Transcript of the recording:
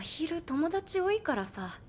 友達多いからさ。